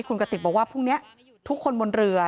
คุณกติกบอกว่าพรุ่งนี้ทุกคนบนเรือ